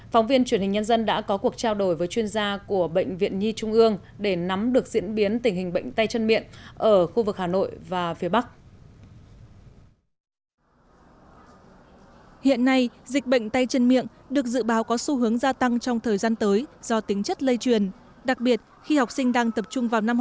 phóng viên truyền hình nhân dân đã có cuộc trao đổi với chuyên gia của bệnh viện nhi trung ương để nắm được diễn biến tình hình bệnh tay chân miệng ở khu vực hà nội và phía bắc